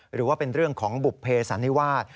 หรือว่าเป็นเรื่องของบุภเพสันนิวาส